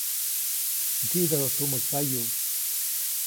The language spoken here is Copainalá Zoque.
Ntsyidäju tumä kayuʼ.